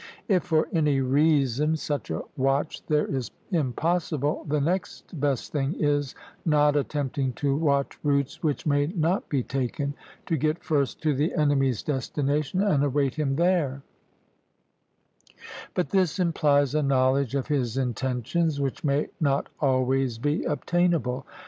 If for any reason such a watch there is impossible, the next best thing is, not attempting to watch routes which may not be taken, to get first to the enemy's destination and await him there; but this implies a knowledge of his intentions which may not always be obtainable.